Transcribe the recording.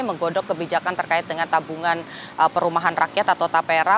menggodok kebijakan terkait dengan tabungan perumahan rakyat atau tapera